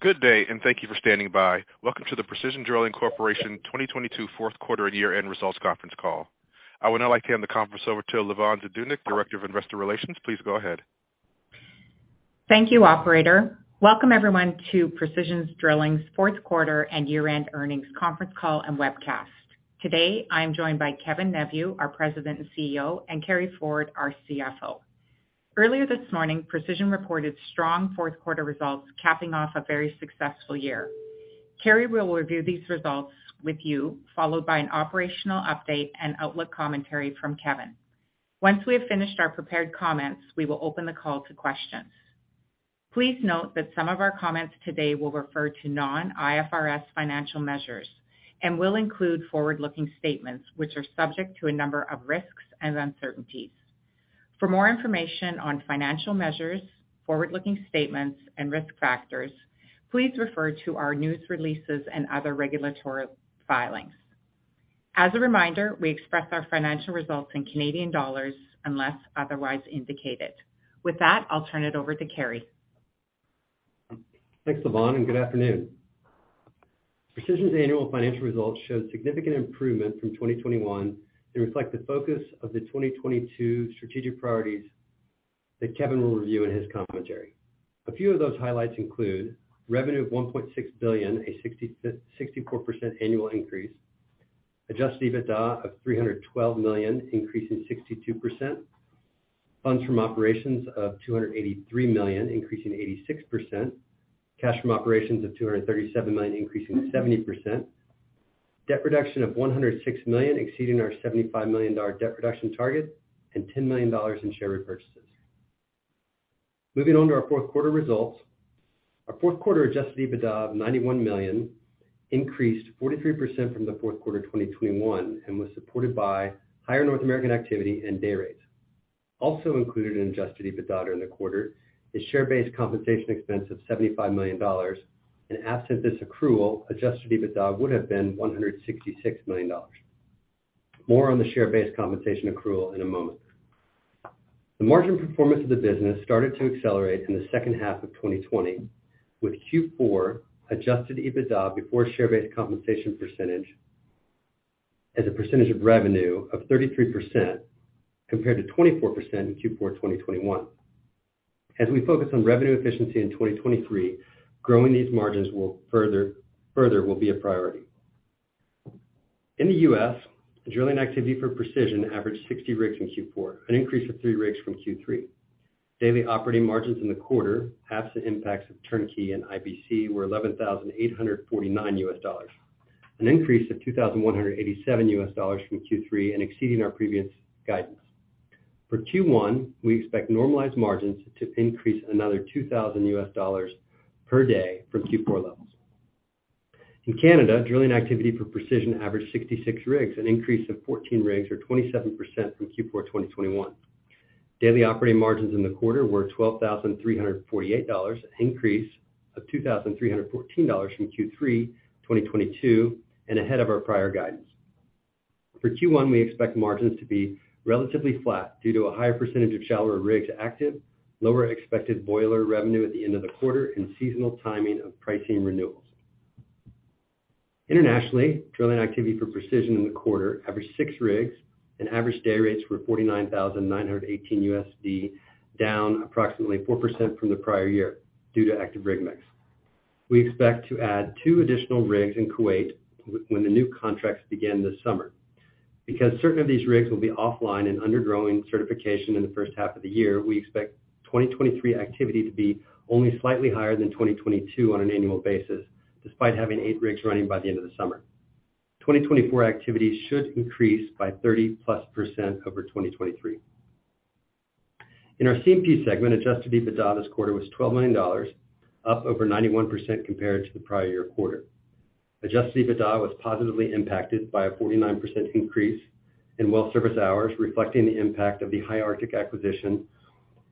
Good day, and thank you for standing by. Welcome to the Precision Drilling Corporation 2022 fourth quarter and year-end results conference call. I would now like to hand the conference over to Lavonne Zdunich, Director of Investor Relations. Please go ahead. Thank you, operator. Welcome everyone to Precision Drilling's fourth quarter and year-end earnings conference call and webcast. Today, I'm joined by Kevin Neveu, our President and CEO, and Carey Ford, our CFO. Earlier this morning, Precision reported strong fourth quarter results, capping off a very successful year. Carey will review these results with you, followed by an operational update and outlook commentary from Kevin. Once we have finished our prepared comments, we will open the call to questions. Please note that some of our comments today will refer to non-IFRS financial measures and will include forward-looking statements which are subject to a number of risks and uncertainties. For more information on financial measures, forward-looking statements and risk factors, please refer to our news releases and other regulatory filings. As a reminder, we express our financial results in Canadian dollars unless otherwise indicated. With that, I'll turn it over to Carey. Thanks, Lavonne. Good afternoon. Precision's annual financial results showed significant improvement from 2021 and reflect the focus of the 2022 strategic priorities that Kevin will review in his commentary. A few of those highlights include revenue of 1.6 billion, a 64% annual increase. Adjusted EBITDA of 312 million, increasing 62%. Funds from operations of 283 million, increasing 86%. Cash from operations of 237 million, increasing 70%. Debt reduction of 106 million, exceeding our 75 million dollar debt reduction target, and 10 million dollars in share repurchases. Moving on to our fourth quarter results. Our fourth quarter adjusted EBITDA of 91 million increased 43% from the fourth quarter 2021 and was supported by higher North American activity and day rates. Also included in adjusted EBITDA in the quarter is share-based compensation expense of 75 million dollars. Absent this accrual, adjusted EBITDA would have been 166 million dollars. More on the share-based compensation accrual in a moment. The margin performance of the business started to accelerate in the second half of 2020, with Q4 adjusted EBITDA before share-based compensation percentage as a percentage of revenue of 33%, compared to 24% in Q4 2021. As we focus on revenue efficiency in 2023, growing these margins will further be a priority. In the U.S., drilling activity for Precision averaged 60 rigs in Q4, an increase of 3 rigs from Q3. Daily operating margins in the quarter, absent the impacts of turnkey and IBC were $11,849, an increase of $2,187 from Q3 and exceeding our previous guidance. For Q1, we expect normalized margins to increase another $2,000 per day from Q4 levels. In Canada, drilling activity for Precision averaged 66 rigs, an increase of 14 rigs or 27% from Q4 2021. Daily operating margins in the quarter were 12,348 dollars, an increase of 2,314 dollars from Q3 2022 and ahead of our prior guidance. For Q1, we expect margins to be relatively flat due to a higher percentage of shallower rigs active, lower expected boiler revenue at the end of the quarter and seasonal timing of pricing renewals. Internationally, drilling activity for Precision in the quarter averaged six rigs and average day rates were $49,918, down approximately 4% from the prior year due to active rig mix. We expect to add two additional rigs in Kuwait when the new contracts begin this summer. Because certain of these rigs will be offline and under growing certification in the first half of the year, we expect 2023 activity to be only slightly higher than 2022 on an annual basis, despite having eight rigs running by the end of the summer. 2024 activity should increase by +30% over 2023. In our CMP segment, adjusted EBITDA this quarter was $12 million, up over 91% compared to the prior year quarter. Adjusted EBITDA was positively impacted by a 49% increase in well service hours, reflecting the impact of the High Arctic acquisition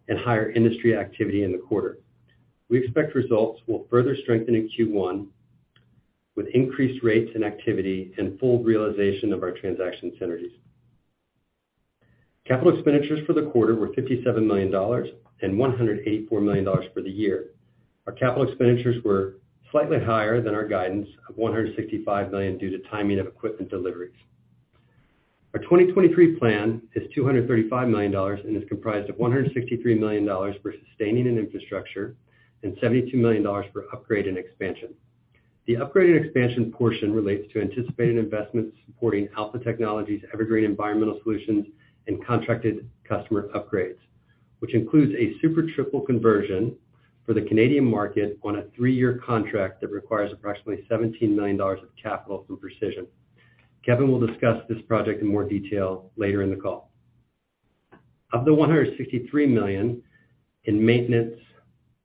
and higher industry activity in the quarter. We expect results will further strengthen in Q1 with increased rates and activity and full realization of our transaction synergies. Capital expenditures for the quarter were 57 million dollars and 184 million dollars for the year. Our capital expenditures were slightly higher than our guidance of 165 million due to timing of equipment deliveries. Our 2023 plan is 235 million dollars and is comprised of 163 million dollars for sustaining and infrastructure and 72 million dollars for upgrade and expansion. The upgrade and expansion portion relates to anticipated investments supporting Alpha Technologies' EverGreen Environmental Solutions and contracted customer upgrades, which includes a Super Triple conversion for the Canadian market on a 3-year contract that requires approximately 17 million dollars of capital from Precision. Kevin will discuss this project in more detail later in the call. Of the 163 million in maintenance,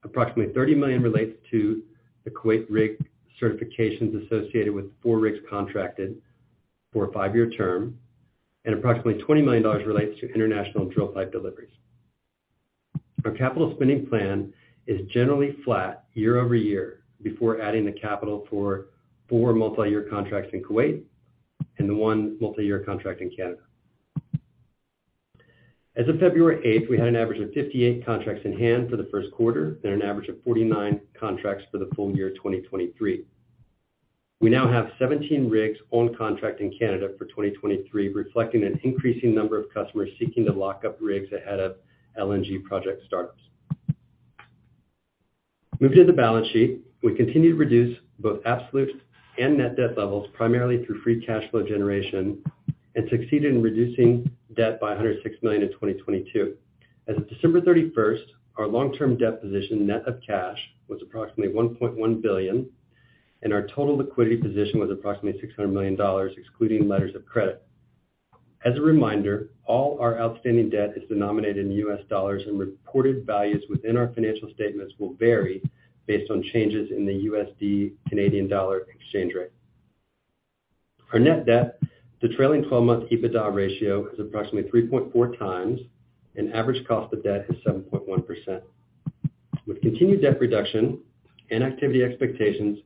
approximately 30 million relates to the Kuwait rig certifications associated with four rigs contracted for a 5-year term, and approximately 20 million dollars relates to international drill pipe deliveries. Our capital spending plan is generally flat year-over-year before adding the capital for four multi-year contracts in Kuwait and the one multi-year contract in Canada. As of February 8, we had an average of 58 contracts in hand for the first quarter and an average of 49 contracts for the full year 2023. We now have 17 rigs on contract in Canada for 2023, reflecting an increasing number of customers seeking to lock up rigs ahead of LNG project startups. Moving to the balance sheet. We continue to reduce both absolute and net debt levels primarily through free cash flow generation and succeeded in reducing debt by $106 million in 2022. As of December 31st, our long-term debt position, net of cash, was approximately $1.1 billion, and our total liquidity position was approximately $600 million, excluding letters of credit. As a reminder, all our outstanding debt is denominated in U.S. dollars, reported values within our financial statements will vary based on changes in the USD, Canadian dollar exchange rate. Our net debt to trailing 12-month EBITDA ratio is approximately 3.4x, average cost of debt is 7.1%. With continued debt reduction and activity expectations,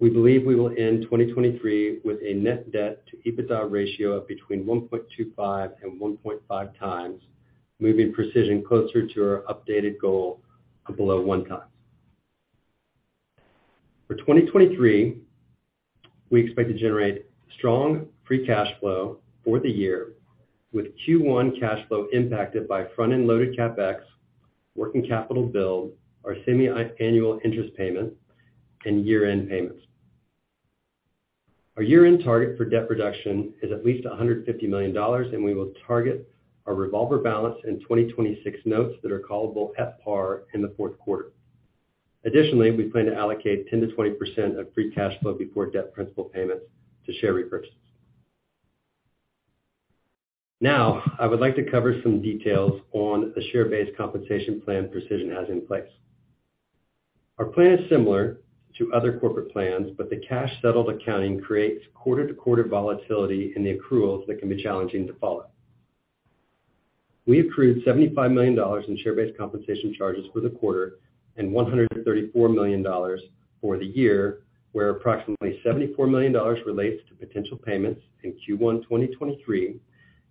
we believe we will end 2023 with a net debt to EBITDA ratio of between 1.25 and 1.5 times, moving Precision closer to our updated goal of below one time. For 2023, we expect to generate strong free cash flow for the year, with Q1 cash flow impacted by front-end loaded CapEx, working capital build, our semiannual interest payment, and year-end payments. Our year-end target for debt reduction is at least $150 million, and we will target our revolver balance in 2026 notes that are callable at par in the fourth quarter. Additionally, we plan to allocate 10%-20% of free cash flow before debt principal payments to share repurchases. Now, I would like to cover some details on the share-based compensation plan Precision has in place. Our plan is similar to other corporate plans. The cash-settled accounting creates quarter-to-quarter volatility in the accruals that can be challenging to follow. We accrued $75 million in share-based compensation charges for the quarter and $134 million for the year, where approximately $74 million relates to potential payments in Q1 2023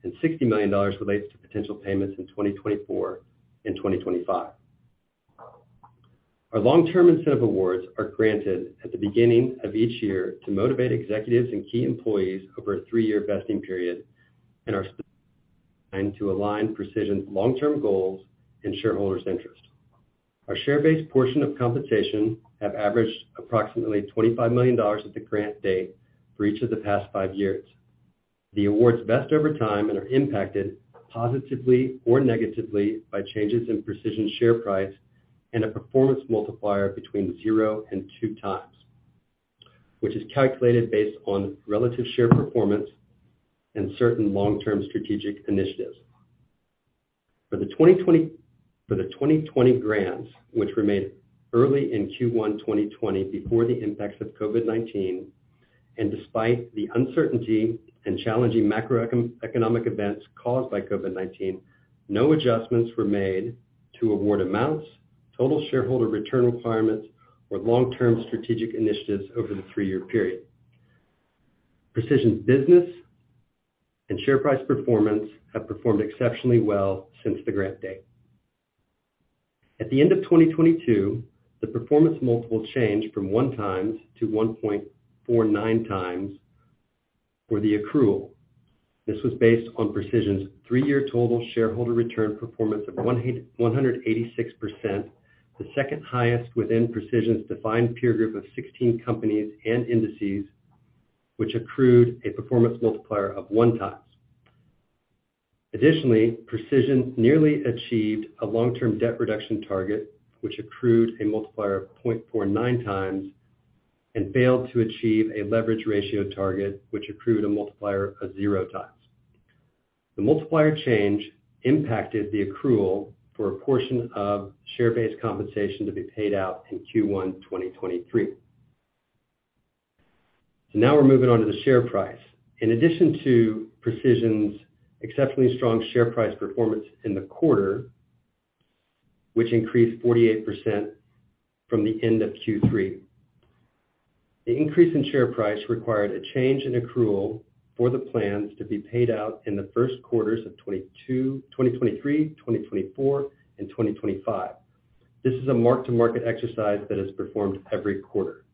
and $60 million relates to potential payments in 2024 and 2025. Our long-term incentive awards are granted at the beginning of each year to motivate executives and key employees over a three-year vesting period and are designed to align Precision's long-term goals and shareholders' interest. Our share-based portion of compensation have averaged approximately $25 million at the grant date for each of the past five years. The awards vest over time and are impacted positively or negatively by changes in Precision share price and a performance multiplier between 0x and 2x, which is calculated based on relative share performance and certain long-term strategic initiatives. For the 2020 grants, which were made early in Q1 2020 before the impacts of COVID-19, and despite the uncertainty and challenging macroeconomic events caused by COVID-19, no adjustments were made to award amounts, total shareholder return requirements, or long-term strategic initiatives over the three-year period. Precision's business and share price performance have performed exceptionally well since the grant date. At the end of 2022, the performance multiple changed from 1x to 1.49x for the accrual. This was based on Precision's three-year total shareholder return performance of 186%, the second highest within Precision's defined peer group of 16 companies and indices, which accrued a performance multiplier of 1x. Additionally, Precision nearly achieved a long-term debt reduction target, which accrued a multiplier of 0.49x and failed to achieve a leverage ratio target, which accrued a multiplier of 0x. The multiplier change impacted the accrual for a portion of share-based compensation to be paid out in Q1 2023. Now we're moving on to the share price. In addition to Precision's exceptionally strong share price performance in the quarter, which increased 48% from the end of Q3, the increase in share price required a change in accrual for the plans to be paid out in the first quarters of 2023, 2024, and 2025. This is a mark-to-market exercise that is performed every quarter.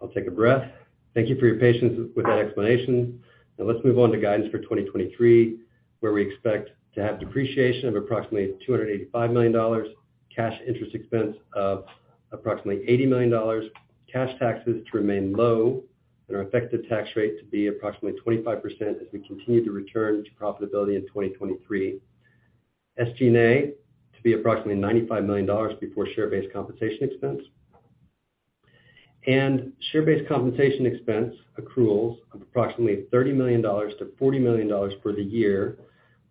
I'll take a breath. Thank you for your patience with that explanation. Let's move on to guidance for 2023, where we expect to have depreciation of approximately 285 million dollars, cash interest expense of approximately 80 million dollars, cash taxes to remain low, and our effective tax rate to be approximately 25% as we continue to return to profitability in 2023. SG&A to be approximately 95 million dollars before share-based compensation expense. Share-based compensation expense accruals of approximately 30 million-40 million dollars for the year,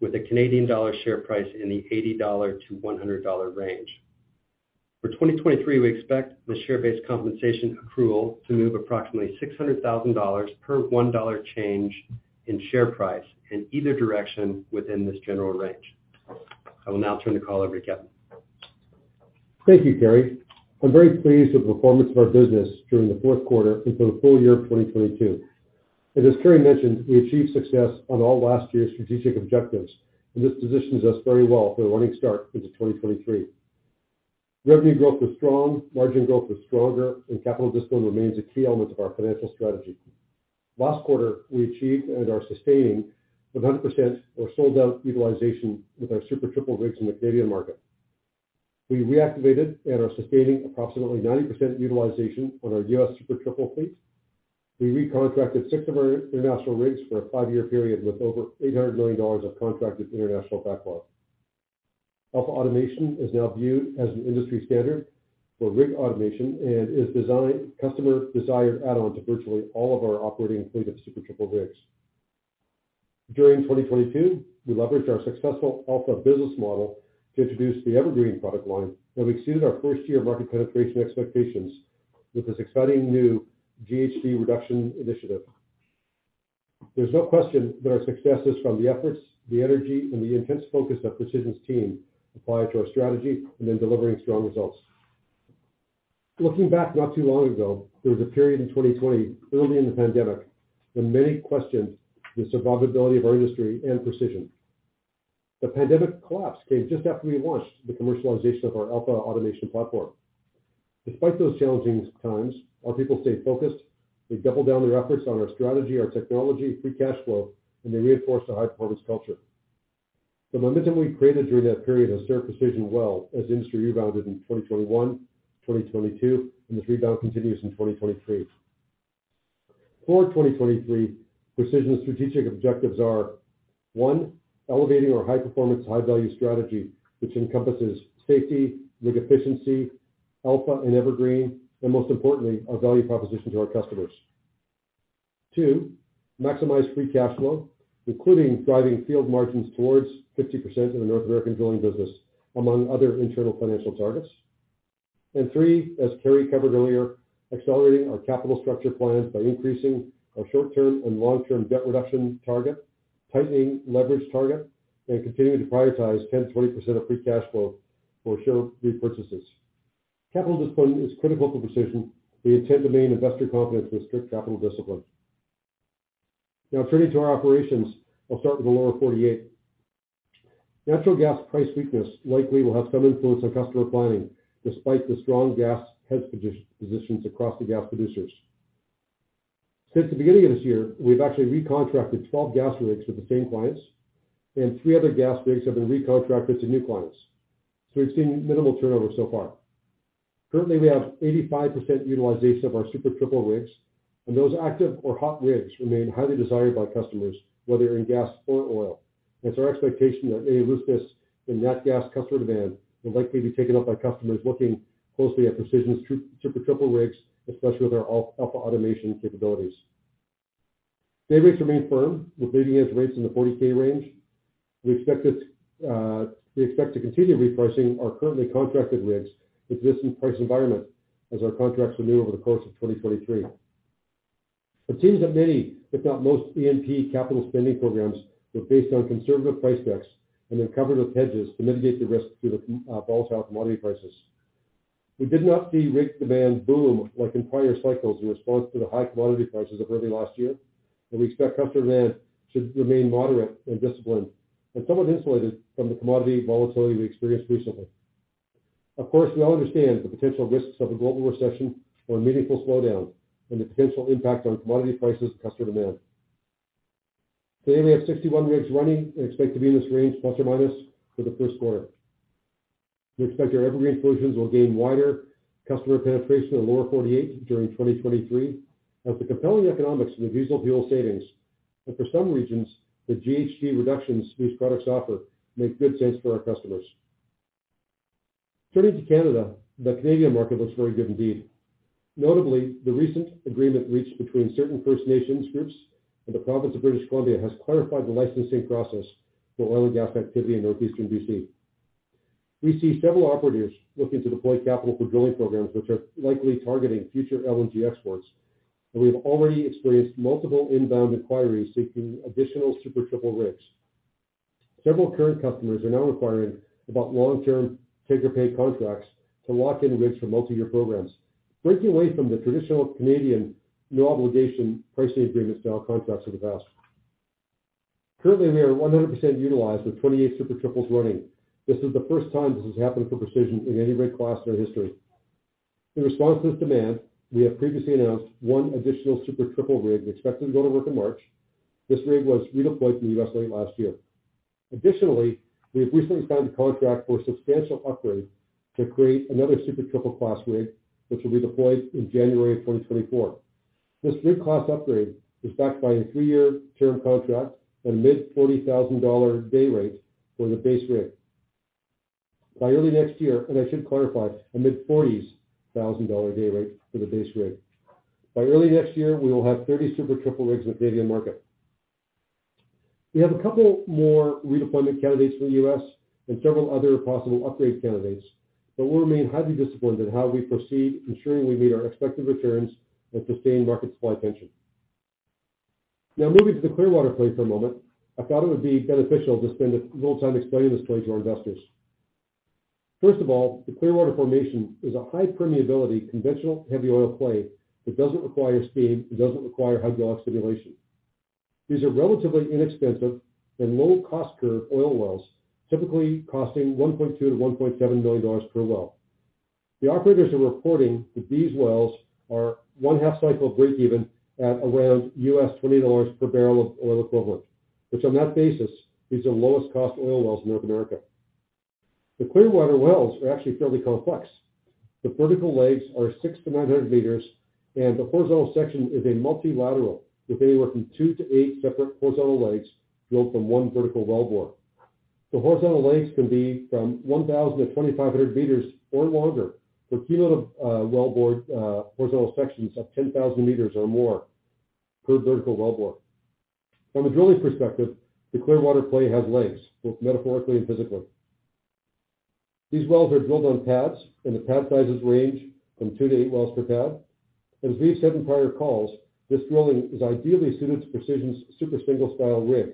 with a Canadian dollar share price in the 80-100 dollar range. For 2023, we expect the share-based compensation accrual to move approximately 600,000 dollars per 1 dollar change in share price in either direction within this general range. I will now turn the call over to Kevin. Thank you, Carey. As Carey mentioned, we achieved success on all last year's strategic objectives, and this positions us very well for a running start into 2023. Revenue growth was strong, margin growth was stronger, and capital discipline remains a key element of our financial strategy. Last quarter, we achieved and are sustaining 100% or sold-out utilization with our Super Triple rigs in the Canadian market. We reactivated and are sustaining approximately 90% utilization on our U.S. Super Triple fleet. We recontracted six of our international rigs for a five-year period with over 800 million dollars of contracted international backlog. Alpha automation is now viewed as an industry standard for rig automation and is customer desired add-on to virtually all of our operating fleet of Super Triple rigs. During 2022, we leveraged our successful Alpha business model to introduce the EverGreen product line that exceeded our first year market penetration expectations with this exciting new GHG reduction initiative. There's no question that our success is from the efforts, the energy, and the intense focus that Precision's team applied to our strategy and in delivering strong results. Looking back not too long ago, there was a period in 2020 early in the pandemic when many questioned the survivability of our industry and Precision. The pandemic collapse came just after we launched the commercialization of our Alpha automation platform. Despite those challenging times, our people stayed focused. They doubled down their efforts on our strategy, our technology, free cash flow, and they reinforced a high-performance culture. The momentum we created during that period has served Precision well as the industry rebounded in 2021, 2022, and the rebound continues in 2023. For 2023, Precision's strategic objectives are, one, elevating our high performance, high value strategy, which encompasses safety, rig efficiency, Alpha and EverGreen, and most importantly, our value proposition to our customers. two, maximize free cash flow, including driving field margins towards 50% in the North American drilling business, among other internal financial targets. three, as Carey covered earlier, accelerating our capital structure plans by increasing our short-term and long-term debt reduction target, tightening leverage target, and continuing to prioritize 10%-20% of free cash flow for share repurchases. Capital discipline is critical to Precision. We intend to maintain investor confidence with strict capital discipline. Turning to our operations, I'll start with the lower 48. Natural gas price weakness likely will have some influence on customer planning, despite the strong gas hedge positions across the gas producers. Since the beginning of this year, we've actually recontracted 12 gas rigs with the same clients, three other gas rigs have been recontracted to new clients. We've seen minimal turnover so far. Currently, we have 85% utilization of our Super Triple rigs, those active or hot rigs remain highly desired by customers, whether in gas or oil. It's our expectation that any weakness in net gas customer demand will likely be taken up by customers looking closely at Precision's Super Triple rigs, especially with our Alpha automation capabilities. Day rates remain firm, with day rates in the 40K range. We expect it, we expect to continue repricing our currently contracted rigs with this price environment as our contracts renew over the course of 2023. It seems that many, if not most, E&P capital spending programs were based on conservative price decks and then covered with hedges to mitigate the risk due to volatile commodity prices. We did not see rig demand boom like in prior cycles in response to the high commodity prices of early last year, and we expect customer demand to remain moderate and disciplined and somewhat insulated from the commodity volatility we experienced recently. Of course, we all understand the potential risks of a global recession or a meaningful slowdown and the potential impact on commodity prices customer demand. Today, we have 61 rigs running and expect to be in this range plus or minus for the first quarter. We expect our EverGreen solutions will gain wider customer penetration in Lower 48 during 2023 as the compelling economics of the diesel fuel savings and for some regions, the GHG reductions these products offer make good sense for our customers. Turning to Canada, the Canadian market looks very good indeed. Notably, the recent agreement reached between certain First Nations groups and the province of British Columbia has clarified the licensing process for oil and gas activity in northeastern B.C. We see several operators looking to deploy capital for drilling programs which are likely targeting future LNG exports, and we've already experienced multiple inbound inquiries seeking additional Super Triple rigs. Several current customers are now inquiring about long-term take-or-pay contracts to lock in rigs for multiyear programs, breaking away from the traditional Canadian no obligation pricing agreements style contracts of the past. Currently, we are 100% utilized with 28 Super Triples running. This is the first time this has happened for Precision in any rig class in our history. In response to this demand, we have previously announced one additional Super Triple rig we expect to go to work in March. This rig was redeployed from the U.S. late last year. Additionally, we have recently signed a contract for a substantial upgrade to create another Super Triple class rig, which will be deployed in January 2024. This rig class upgrade is backed by a three year term contract and mid $40,000 day rate for the base rig. By early next year, and I should clarify, a mid-$40,000 day rate for the base rig. By early next year, we will have 30 Super Triple rigs in the Canadian market. We have a couple more redeployment candidates from the U.S. and several other possible upgrade candidates, but we'll remain highly disciplined in how we proceed, ensuring we meet our expected returns and sustain market supply tension. Now moving to the Clearwater play for moment. I thought it would be beneficial to spend a little time explaining this play to our investors. First of all, the Clearwater Formation is a high permeability, conventional heavy oil play that doesn't require steam and doesn't require hydraulic stimulation. These are relatively inexpensive and low-cost curve oil wells, typically costing $1.2 million-$1.7 million per well. The operators are reporting that these wells are one half-cycle breakeven at around $20 per barrel of oil equivalent, which on that basis, these are the lowest cost oil wells in North America. The Clearwater wells are actually fairly complex. The vertical legs are six to 900 meters, and the horizontal section is a multilateral that may work in two to eight separate horizontal legs drilled from one vertical wellbore. The horizontal legs can be from 1,000 to 2,500 meters or longer, with keynote wellbore horizontal sections of 10,000 meters or more per vertical wellbore. From a drilling perspective, the Clearwater play has legs, both metaphorically and physically. These wells are drilled on pads, and the pad sizes range from two to eight wells per pad. As we've said in prior calls, this drilling is ideally suited to Precision's Super Single-style rig.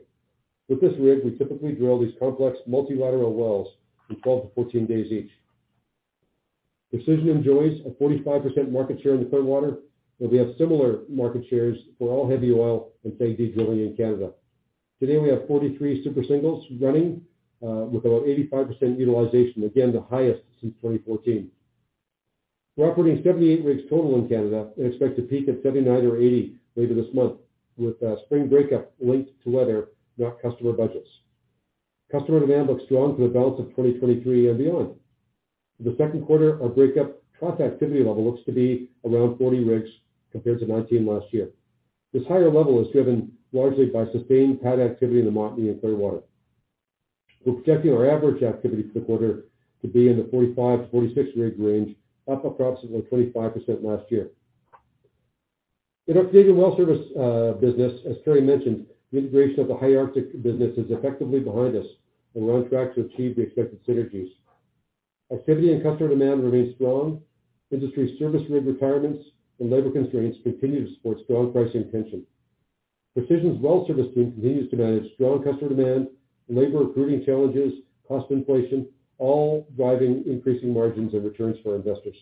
With this rig, we typically drill these complex multilateral wells in 12-14 days each. Precision enjoys a 45% market share in the Clearwater, and we have similar market shares for all heavy oil and SAGD drilling in Canada. Today, we have 43 Super Single running, with about 85% utilization, again, the highest since 2014. We're operating 78 rigs total in Canada and expect to peak at 79 or 80 later this month with spring breakup linked to weather, not customer budgets. Customer demand looks strong for the balance of 2023 and beyond. For the second quarter, our breakup contract activity level looks to be around 40 rigs compared to 19 last year. This higher level is driven largely by sustained pad activity in the Montney and Clearwater. We're projecting our average activity for the quarter to be in the 45-46 rig range, up approximately 25% last year. In our Canadian well service business, as Carey mentioned, the integration of the High Arctic business is effectively behind us, and we're on track to achieve the expected synergies. Activity and customer demand remain strong. Industry service rig retirements and labor constraints continue to support strong pricing tension. Precision's well service team continues to manage strong customer demand, labor recruiting challenges, cost inflation, all driving increasing margins and returns for investors.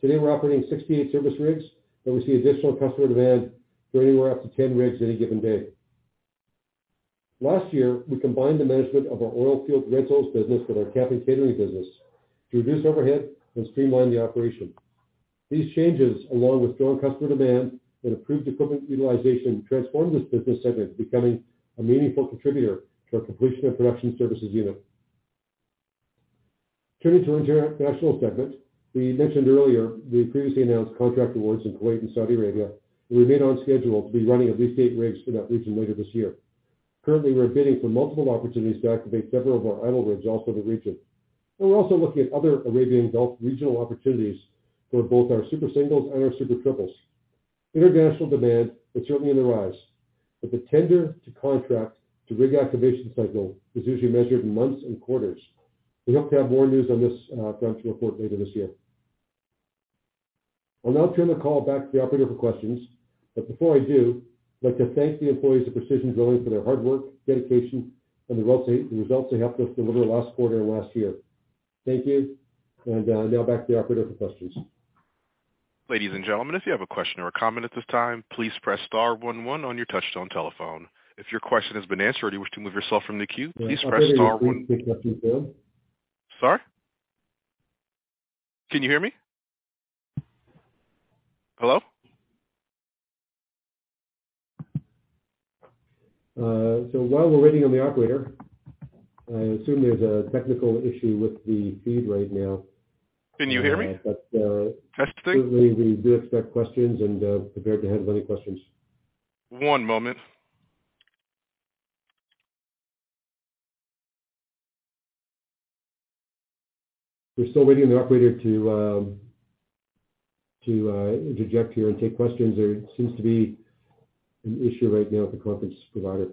Today, we're operating 68 service rigs, and we see additional customer demand for anywhere up to 10 rigs any given day. Last year, we combined the management of our oilfield rentals business with our camp and catering business to reduce overhead and streamline the operation. These changes, along with strong customer demand and improved equipment utilization, transformed this business segment, becoming a meaningful contributor to our Completion and Production Services unit. Turning to international segment. We mentioned earlier the previously announced contract awards in Kuwait and Saudi Arabia. We remain on schedule to be running at least eight rigs for that region later this year. Currently, we're bidding for multiple opportunities to activate several of our idle rigs also in the region. We're also looking at other Arabian Gulf regional opportunities for both our Super Singles and our Super Triples. International demand is certainly on the rise, the tender to contract to rig activation cycle is usually measured in months and quarters. We hope to have more news on this financial report later this year. I'll now turn the call back to the operator for questions. Before I do, I'd like to thank the employees of Precision Drilling for their hard work, dedication, and the results they helped us deliver last quarter and last year. Thank you. Now back to the operator for questions. Ladies and gentlemen, if you have a question or a comment at this time, please press star one one on your touchtone telephone. If your question has been answered and you wish to remove yourself from the queue, please press star one. Operator, are you please picking up these bills? Sorry? Can you hear me? Hello? While we're waiting on the operator, I assume there's a technical issue with the feed right now. Can you hear me? Uh, but, uh- Testing. Currently, we do expect questions and prepared to handle any questions. One moment. We're still waiting on the operator to interject here and take questions. There seems to be an issue right now with the conference provider.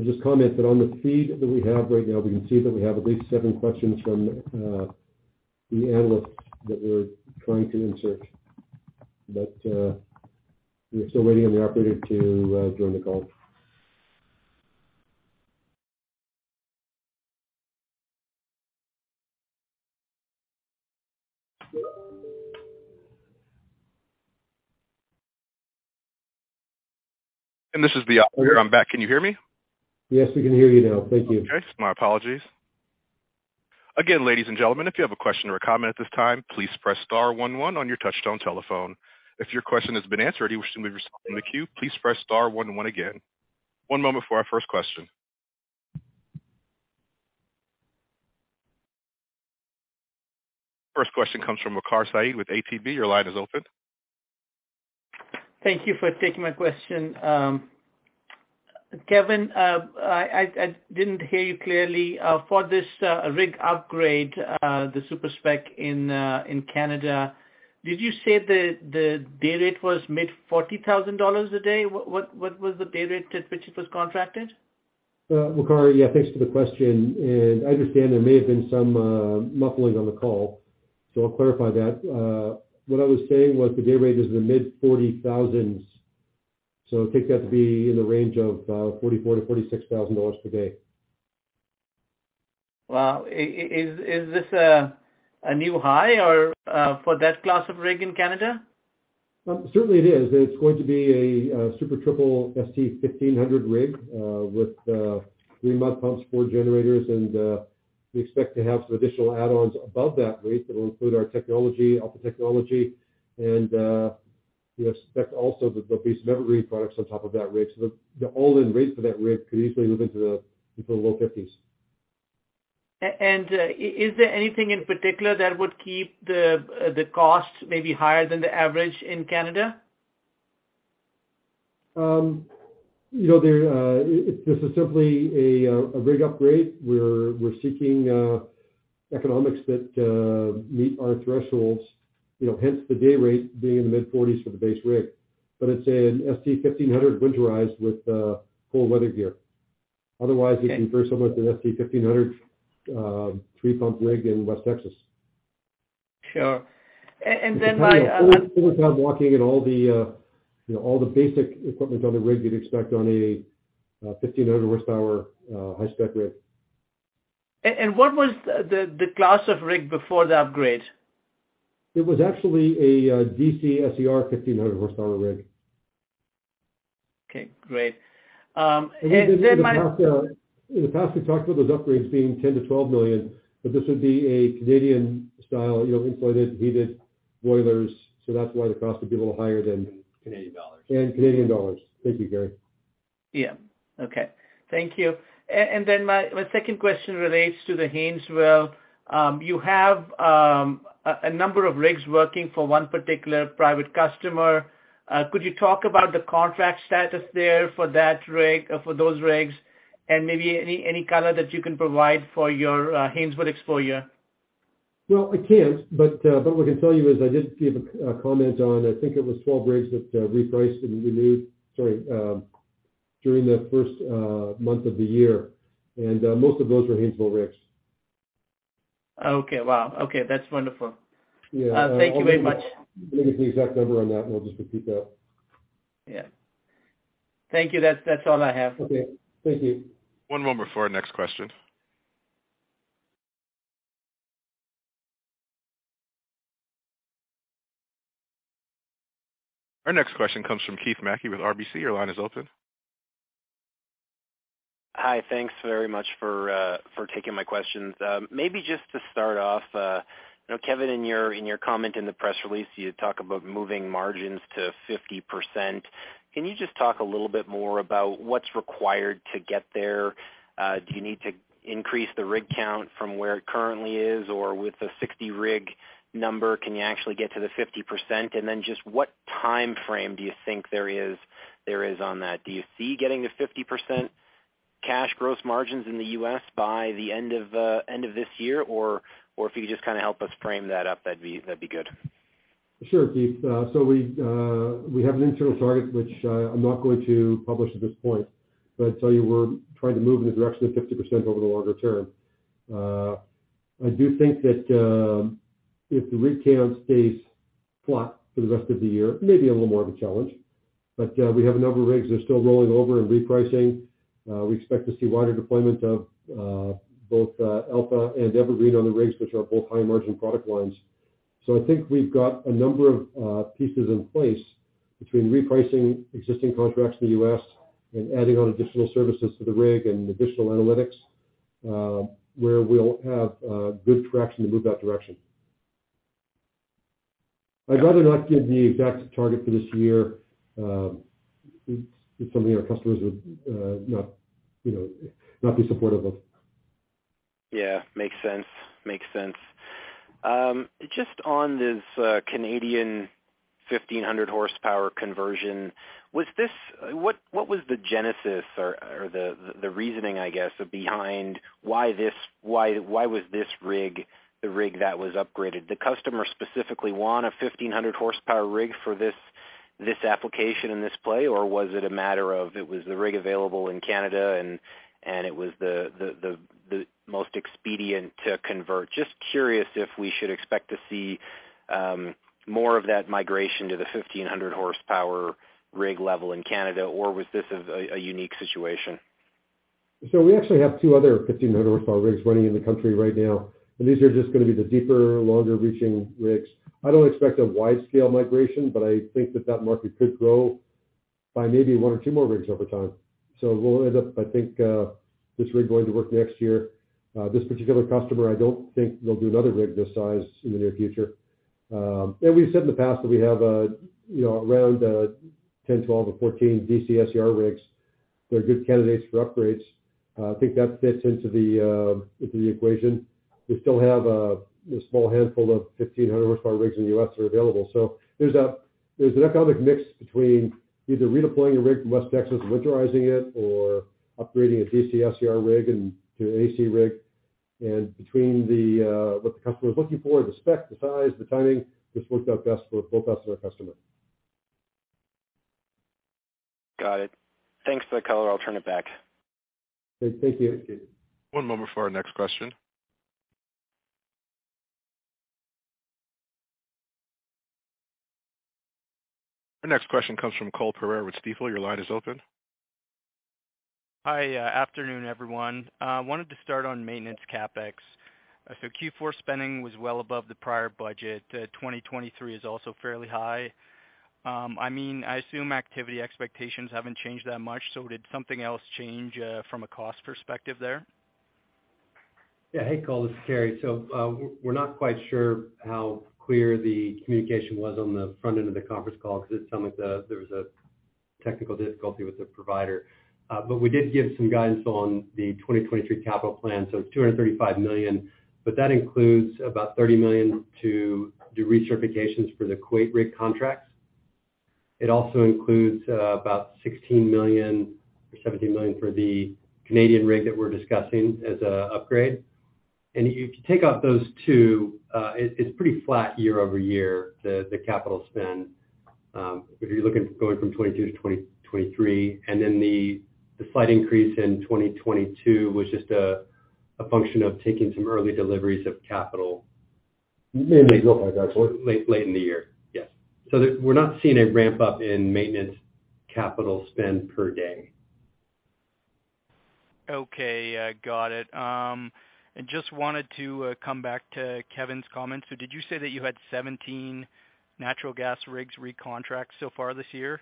I'll just comment that on the feed that we have right now, we can see that we have at least seven questions from the analysts that we're trying to insert. We are still waiting on the operator to join the call. This is the operator. I'm back. Can you hear me? Yes, we can hear you now. Thank you. Okay. My apologies. Again, ladies and gentlemen, if you have a question or a comment at this time, please press star one one on your touchtone telephone. If your question has been answered and you wish to remove yourself from the queue, please press star one one again. One moment for our first question. First question comes from Waqar Syed with ATB. Your line is open. Thank you for taking my question. Kevin, I didn't hear you clearly. For this rig upgrade, the super spec in Canada, did you say the day rate was mid-$40,000 a day? What was the day rate at which it was contracted? Waqar, thanks for the question. I understand there may have been some muffling on the call, so I'll clarify that. What I was saying was the day rate is in the mid-$40,000s, so I take that to be in the range of $44,000-$46,000 per day. Wow. Is this a new high or, for that class of rig in Canada? Certainly it is. It's going to be a Super Triple ST-1500 rig with three mud pumps, four generators, and we expect to have some additional add-ons above that rate that will include our technology, Alpha Technologies, and we expect also the base EverGreen products on top of that rig. The all-in rate for that rig could easily move into the $50s. Is there anything in particular that would keep the cost maybe higher than the average in Canada? You know, there, this is simply a rig upgrade. We're seeking economics that meet our thresholds, you know, hence the day rate being in the mid-40s for the base rig. It's an ST-1500 winterized with cold weather gear. Otherwise, it compares somewhat with an ST-1500, 3-pump rig in West Texas. Sure. You know, full-time walking and all the, you know, all the basic equipment on the rig you'd expect on a, 1,500 horsepower, high-spec rig. What was the class of rig before the upgrade? It was actually a DC SCR 1,500 horsepower rig. Okay, great. In the past, we've talked about those upgrades being 10 million-12 million, but this would be a Canadian style, you know, insulated, heated boilers. That's why the cost would be a little higher than. Canadian dollars. Canadian dollars. Thank you, Carey. Yeah. Okay. Thank you. My second question relates to the Haynesville. You have a number of rigs working for one particular private customer. Could you talk about the contract status there for that rig or for those rigs and maybe any color that you can provide for your Haynesville exposure? I can't, but what I can tell you is I did give a comment on, I think it was 12 rigs that repriced and renewed, sorry, during the 1st month of the year. Most of those were Haynesville rigs. Okay. Wow. Okay. That's wonderful. Yeah. Thank you very much. I'll get the exact number on that, and we'll just repeat that. Yeah. Thank you. That's all I have. Okay. Thank you. One moment before our next question. Our next question comes from Keith Mackey with RBC. Your line is open. Hi. Thanks very much for for taking my questions. Maybe just to start off, you know, Kevin, in your comment in the press release, you talk about moving margins to 50%. Can you just talk a little bit more about what's required to get there? Do you need to increase the rig count from where it currently is? Or with the 60 rig number, can you actually get to the 50%? What timeframe do you think there is on that? Do you see getting to 50% cash gross margins in the U.S. by the end of this year? If you could just kinda help us frame that up, that'd be, that'd be good. Sure, Keith. We have an internal target, which I'm not going to publish at this point. I'd tell you we're trying to move in the direction of 50% over the longer term. I do think that if the rig count stays flat for the rest of the year, it may be a little more of a challenge. We have a number of rigs that are still rolling over and repricing. We expect to see wider deployment of both Alpha and EverGreen on the rigs, which are both high margin product lines. I think we've got a number of pieces in place between repricing existing contracts in the U.S. and adding on additional services to the rig and additional analytics, where we'll have good traction to move that direction. I'd rather not give the exact target for this year, it's something our customers would not, you know, not be supportive of. Yeah. Makes sense. Makes sense. Just on this Canadian 1,500 horsepower conversion, what was the genesis or the reasoning, I guess, behind why this rig the rig that was upgraded? The customer specifically want a 1,500 horsepower rig for this application and this play, or was it a matter of it was the rig available in Canada and it was the most expedient to convert? Just curious if we should expect to see more of that migration to the 1,500 horsepower rig level in Canada, or was this a unique situation? We actually have two other 1,500 horsepower rigs running in the country right now, and these are just gonna be the deeper, longer-reaching rigs. I don't expect a wide-scale migration, but I think that that market could grow by maybe one or two more rigs over time. We'll end up, I think, this rig going to work next year. This particular customer, I don't think they'll do another rig this size in the near future. We've said in the past that we have, you know, around, 10, 12 to 14 DC SCR rigs that are good candidates for upgrades. I think that fits into the equation. We still have a small handful of 1,500 horsepower rigs in the U.S. that are available. There's an economic mix between either redeploying a rig from West Texas and winterizing it or upgrading a DC SCR rig and to an AC rig. Between the what the customer is looking for, the spec, the size, the timing, this worked out best for us and our customer. Got it. Thanks for the color. I'll turn it back. Okay, thank you. One moment for our next question. Our next question comes from Cole Pereira with Stifel. Your line is open. Hi. Afternoon, everyone. Wanted to start on maintenance CapEx. Q4 spending was well above the prior budget. 2023 is also fairly high. I mean, I assume activity expectations haven't changed that much, did something else change from a cost perspective there? Yeah. Hey, Cole, this is Carey. We're not quite sure how clear the communication was on the front end of the conference call because it sound like there was a technical difficulty with the provider. We did give some guidance on the 2023 capital plan, so it's 235 million, but that includes about 30 million to do recertifications for the Kuwait rig contracts. It also includes about 16 million or 17 million for the Canadian rig that we're discussing as a upgrade. If you take out those two, it's pretty flat year-over-year, the capital spend, if you're looking going from 2022 to 2023, and then the slight increase in 2022 was just a function of taking some early deliveries of capital- Mainly -late, late in the year. Yes. We're not seeing a ramp-up in maintenance capital spend per day. Okay. Got it. Just wanted to come back to Kevin's comments. Did you say that you had 17 natural gas rigs recontract so far this year?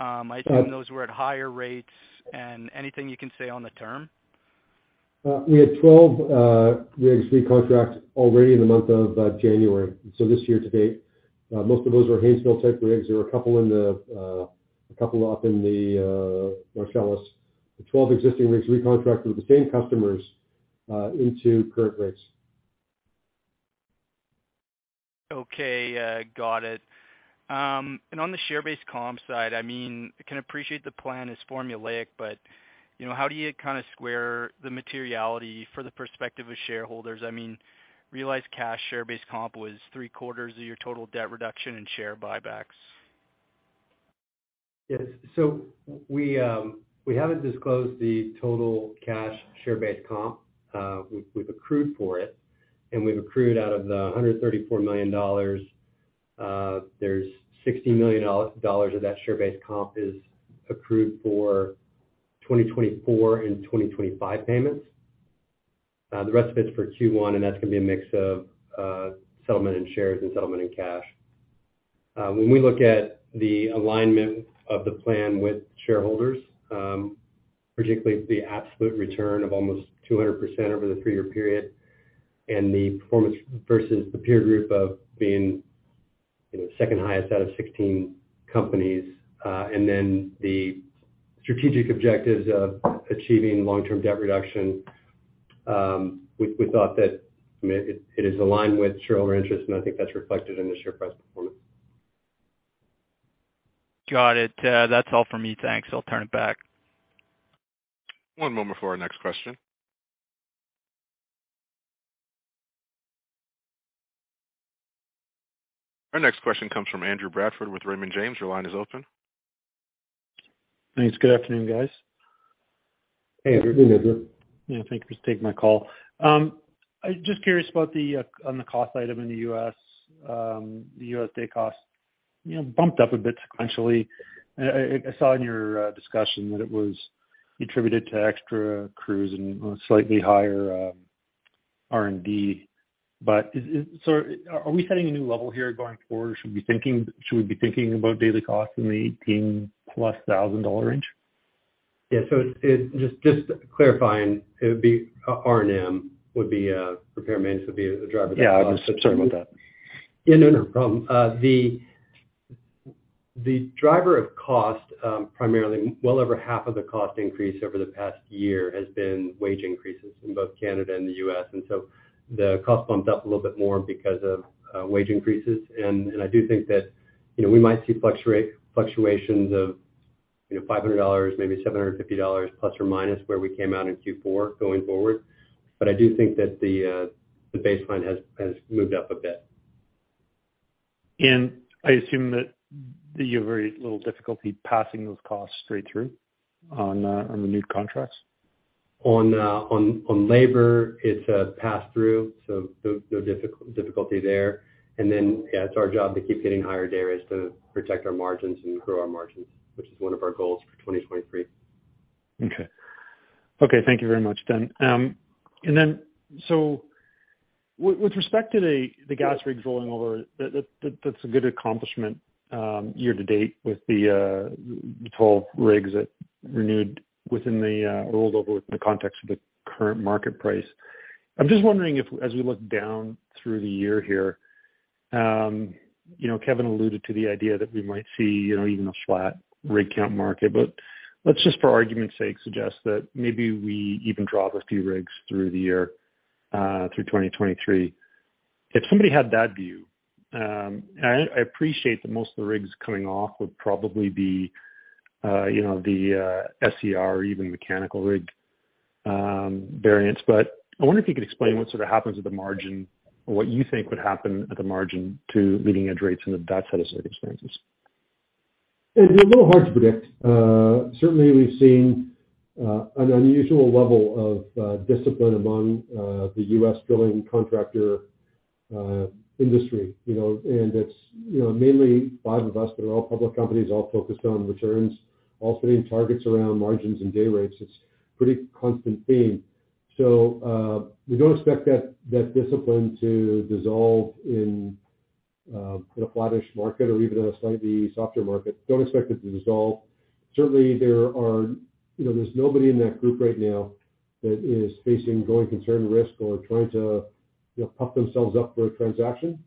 I assume those were at higher rates. Anything you can say on the term? We had 12 rigs recontract already in the month of January, so this year to date. Most of those were Haynesville-type rigs. There were a couple in the, a couple up in the Marcellus. The 12 existing rigs recontracted with the same customers, into current rates. Okay. Got it. On the share-based comp side, I mean, I can appreciate the plan is formulaic, but, you know, how do you kind of square the materiality for the perspective of shareholders? I mean, realized cash share-based comp was three quarters of your total debt reduction and share buybacks. Yes. We haven't disclosed the total cash share-based comp. We've accrued for it, and we've accrued out of the 134 million dollars, there's 60 million dollars of that share-based comp is accrued for 2024 and 2025 payments. The rest of it's for Q1, and that's gonna be a mix of settlement and shares and settlement and cash. When we look at the alignment of the plan with shareholders, particularly the absolute return of almost 200% over the three-year period, and the performance versus the peer group of being, you know, second highest out of 16 companies, and then the strategic objectives of achieving long-term debt reduction, we thought that, I mean, it is aligned with shareholder interest, and I think that's reflected in the share price performance. Got it. That's all for me. Thanks. I'll turn it back. One moment for our next question. Our next question comes from Andrew Bradford with Raymond James. Your line is open. Thanks. Good afternoon, guys. Hey, Andrew. Hey, Andrew. Yeah, thank you for taking my call. I was just curious about the on the cost item in the U.S., the U.S. Day cost, you know, bumped up a bit sequentially. I saw in your discussion that it was attributed to extra crews and a slightly higher R&D, but are we setting a new level here going forward, or should we be thinking about daily costs in the $18,000+ range? Yeah. It... Just clarifying, it would be... R&M would be repair and maintenance would be the driver. Yeah, I was sorry about that. Yeah, no problem. The driver of cost, primarily well over half of the cost increase over the past year has been wage increases in both Canada and the U.S. The cost bumped up a little bit more because of wage increases. I do think that, you know, we might see fluctuations of, you know, 500 dollars, maybe 750 dollars plus or minus where we came out in Q4 going forward. I do think that the baseline has moved up a bit. I assume that you have very little difficulty passing those costs straight through on the new contracts. On labor, it's a pass-through, so no difficulty there. Yeah, it's our job to keep getting higher day rates to protect our margins and grow our margins, which is one of our goals for 2023. Okay. Okay, thank you very much then. With respect to the gas rigs rolling over, that's a good accomplishment year to date with the 12 rigs that renewed within the or rolled over within the context of the current market price. I'm just wondering if, as we look down through the year here, you know, Kevin alluded to the idea that we might see, you know, even a flat rig count market. Let's just for argument's sake, suggest that maybe we even drop a few rigs through the year through 2023. If somebody had that view, and I appreciate that most of the rigs coming off would probably be, you know, the SCR or even mechanical rig variance, but I wonder if you could explain what sort of happens at the margin or what you think would happen at the margin to leading edge rates in that set of circumstances? It'd be a little hard to predict. Certainly we've seen an unusual level of discipline among the U.S. Drilling contractor industry, you know. It's, you know, mainly five of us that are all public companies, all focused on returns, all setting targets around margins and day rates. It's pretty constant theme. We don't expect that discipline to dissolve in a flattish market or even a slightly softer market. Don't expect it to dissolve. Certainly there are, you know, there's nobody in that group right now that is facing growing concern risk or trying to, you know, puff themselves up for a transaction.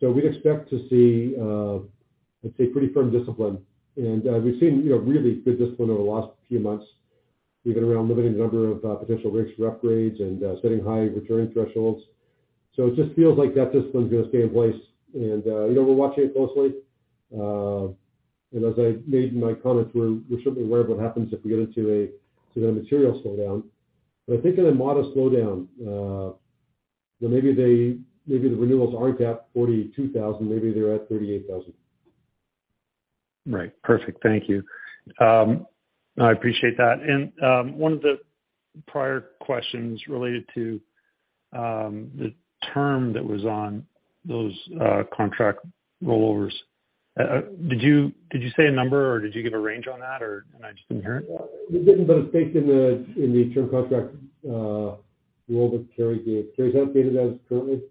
We'd expect to see, I'd say, pretty firm discipline. We've seen, you know, really good discipline over the last few months, even around limiting the number of potential rigs for upgrades and setting high return thresholds. It just feels like that discipline is gonna stay in place. You know, we're watching it closely. As I made in my comments, we're certainly aware of what happens if we get into a material slowdown. I think in a modest slowdown, you know, maybe the renewals aren't at 42,000, maybe they're at 38,000. Right. Perfect. Thank you. I appreciate that. One of the prior questions related to, the term that was on those, contract rollovers. Did you say a number or did you give a range on that, or am I just inherent? We didn't, but it's baked in the, in the term contract, role that Carey gave. Carey, is that updated as currently?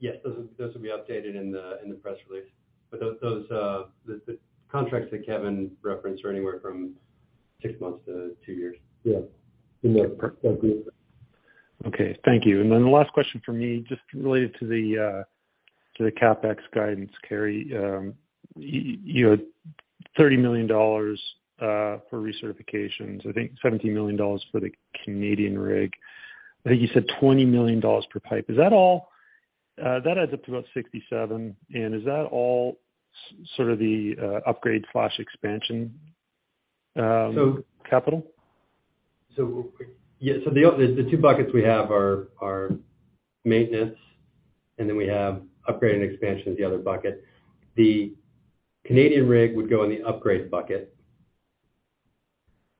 Yes. Those will be updated in the press release. Those the contracts that Kevin referenced are anywhere from six months to two years. Yeah. In that group. Okay. Thank you. The last question from me, just related to the CapEx guidance, Carey Ford. You had 30 million dollars for recertifications. I think 17 million dollars for the Canadian rig. I think you said 20 million dollars per pipe. Is that all? That adds up to about 67. Is that all sort of the upgrade flash expansion capital? Yeah. The, the two buckets we have are maintenance, and then we have upgrade and expansion is the other bucket. The Canadian rig would go in the upgrade bucket,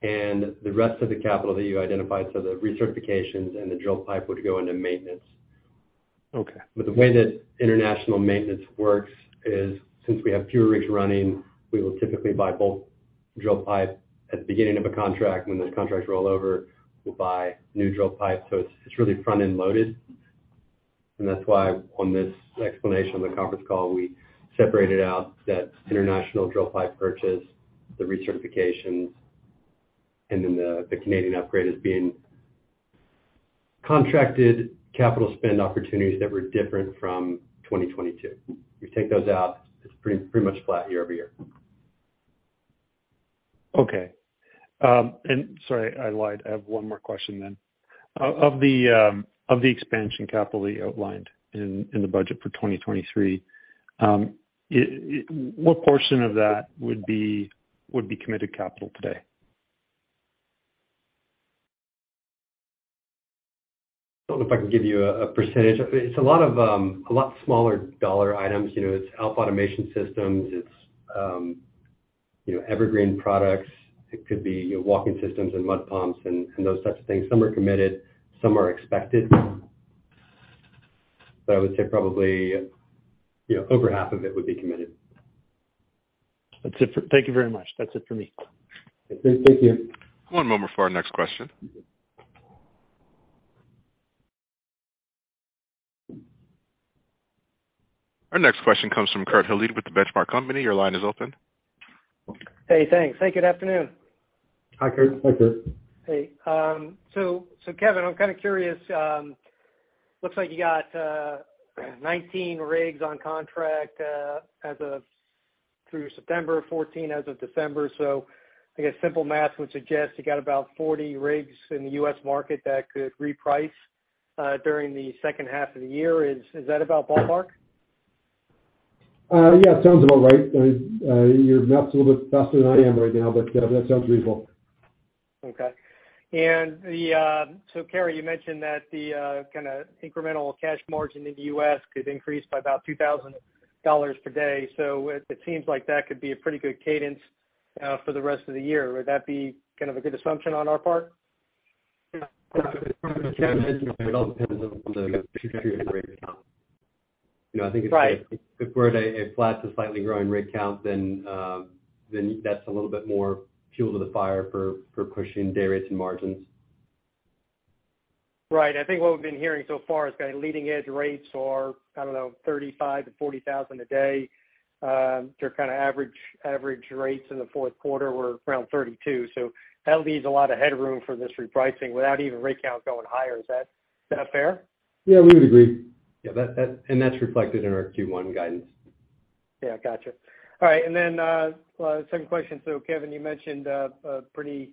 and the rest of the capital that you identified, so the recertifications and the drill pipe would go into maintenance. Okay. The way that international maintenance works is, since we have fewer rigs running, we will typically buy bulk drill pipe at the beginning of a contract. When those contracts roll over, we'll buy new drill pipe. It's really front-end loaded. That's why on this explanation on the conference call, we separated out that international drill pipe purchase, the recertifications, and then the Canadian upgrade as being contracted capital spend opportunities that were different from 2022. You take those out, it's pretty much flat year-over-year. Okay. Sorry, I lied. I have one more question then. Of the expansion capital you outlined in the budget for 2023, what portion of that would be committed capital today? Don't know if I can give you a percentage. It's a lot of, a lot smaller dollar items. You know, it's Alpha automation systems. It's, you know, EverGreen products. It could be walking systems and mud pumps and those types of things. Some are committed, some are expected. I would say probably, you know, over half of it would be committed. Thank you very much. That's it for me. Okay. Thank you. One moment for our next question. Our next question comes from Kurt Hallead with The Benchmark Company. Your line is open. Hey, thanks. Hey, good afternoon. Hi, Kurt. Hi, Kurt. Hey. Kevin, I'm kinda curious, looks like you got 19 rigs on contract as of through September, 14 as of December. I guess simple math would suggest you got about 40 rigs in the U.S. market that could reprice during the second half of the year. Is that about ballpark? Yeah, it sounds about right. I mean, your math's a little bit faster than I am right now, but that sounds reasonable. Okay. The, so Carey, you mentioned that the kinda incremental cash margin in the U.S. could increase by about $2,000 per day. It seems like that could be a pretty good cadence for the rest of the year. Would that be kind of a good assumption on our part? Yeah. [inaudible] You know, I think it's. [inaudible] Right. If we're at a flat to slightly growing rig count then that's a little bit more fuel to the fire for pushing day rates and margins. Right. I think what we've been hearing so far is the leading edge rates are, I don't know, $35,000-$40,000 a day. They're kind of average rates in the fourth quarter were around $32,000. That leaves a lot of headroom for this repricing without even rig count going higher. Is that fair? Yeah, we would agree. Yeah, that's reflected in our Q1 guidance. Yeah, gotcha. All right. Second question. Kevin, you mentioned a pretty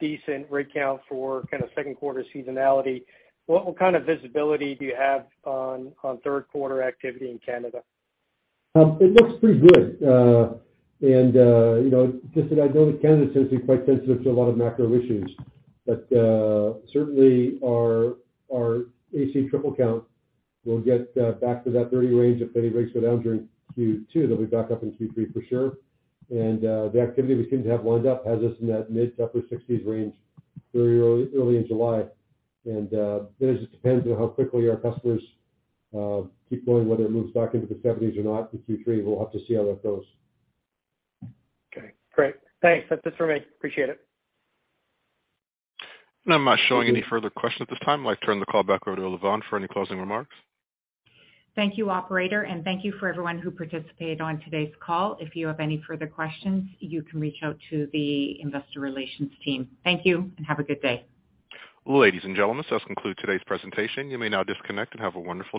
decent rig count for kinda second quarter seasonality. What kind of visibility do you have on third quarter activity in Canada? It looks pretty good. You know, just that I know that Canada tends to be quite sensitive to a lot of macro issues. Certainly our AC triple count will get back to that 30 range. If any rigs go down during Q2, they'll be back up in Q3 for sure. The activity we seem to have lined up has us in that mid to upper 60s range very early in July. It just depends on how quickly our customers keep going, whether it moves back into the 70s or not in Q3. We'll have to see how that goes. Okay, great. Thanks. That's it for me. Appreciate it. I'm not showing any further questions at this time. I'd like to turn the call back over to Lavonne for any closing remarks. Thank you, operator, and thank you for everyone who participated on today's call. If you have any further questions, you can reach out to the investor relations team. Thank you, and have a good day. Ladies and gentlemen, this does conclude today's presentation. You may now disconnect and have a wonderful afternoon.